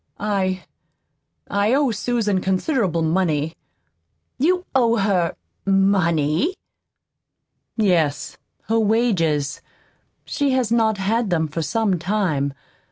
I I owe Susan considerable money." "You owe her MONEY?" "Yes, her wages. She has not had them for some time.